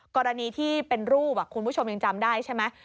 กรณีที่เป็นรูปคุณผู้ชมยังจำได้ใช่ไหม